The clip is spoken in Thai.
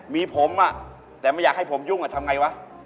มีผมแต่ไม่อยากให้ผมยุ่งทำไงวะ